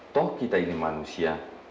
toh kita ini manusia